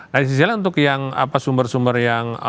nah di sisi lain untuk yang sumber sumber yang